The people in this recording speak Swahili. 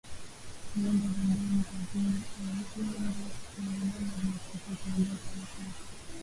Viungo vya ndani huvimba kwa mnyama aliyekufa kwa ugonjwa wa mapafu